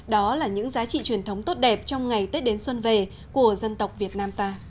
đó là những giá trị truyền thống tốt đẹp trong ngày tết đến xuân về của dân tộc việt nam ta